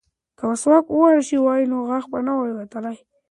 که مسواک وهل شوی وای نو غاښ به نه ووتلی.